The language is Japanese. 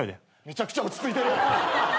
めちゃくちゃ落ち着いてる。